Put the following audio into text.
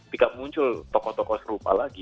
jika muncul tokoh tokoh serupa lagi